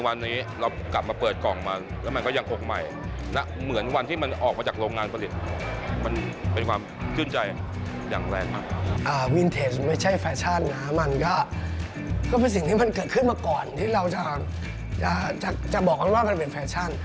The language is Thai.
มันเกิดขึ้นมาก่อนที่เราจะบอกมันว่ามันเป็นแฟชั่น